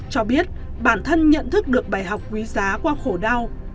cho biết bản thân nhận thức được bài học quý giá qua khổ đau